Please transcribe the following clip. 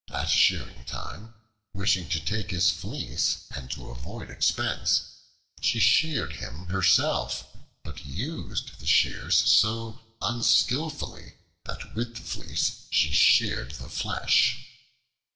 At shearing time, wishing to take his fleece and to avoid expense, she sheared him herself, but used the shears so unskillfully that with the fleece she sheared the flesh.